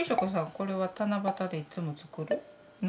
これは七夕でいつも作るの？